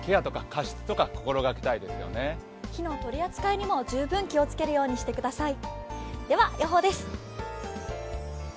火の取り扱いにも、十分気をつけるようにしてください。